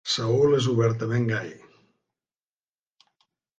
Saül és obertament gai.